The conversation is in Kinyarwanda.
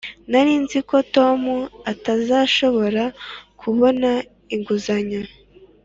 nari nzi ko tom atazashobora kubona inguzanyo.